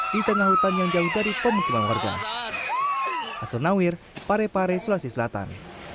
di tengah hutan yang jauh dari pemukiman warga asal nawir parepare sulawesi selatan